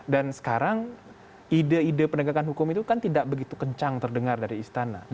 dan sekarang ide ide penegakan hukum itu kan tidak begitu kencang terdengar dari istana